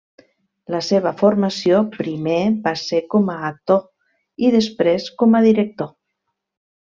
La seva formació primer va ser com a actor i després com a director.